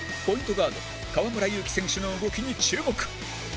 ガード河村勇輝選手の動きに注目